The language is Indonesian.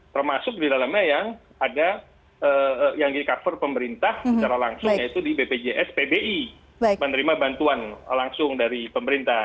termasuk di dalamnya yang ada yang di cover pemerintah secara langsung yaitu di bpjs pbi menerima bantuan langsung dari pemerintah